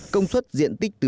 công suất diện tích tự nhiên